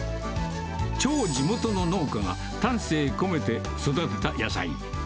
超地元の農家が、丹精込めて育てた野菜。